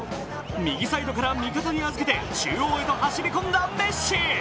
右サイドから味方に預けて中央へと走り込んだメッシ。